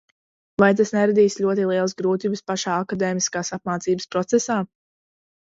Vai tas neradīs ļoti lielas grūtības pašā akadēmiskās apmācības procesā?